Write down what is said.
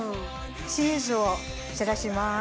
チーズを散らします。